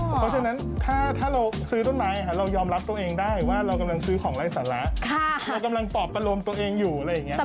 เพราะฉะนั้นถ้าเราซื้อต้นไม้เรายอมรับตัวเองได้ว่าเรากำลังซื้อของไร้สาระเรากำลังปอบอารมณ์ตัวเองอยู่อะไรอย่างนี้